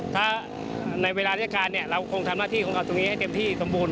ถ้าในเวลาราชการเนี่ยเราคงทำหน้าที่ของเขาตรงนี้ให้เต็มที่สมบูรณ